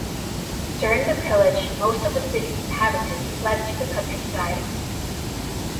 During the pillage most of the city's inhabitants fled to the countryside.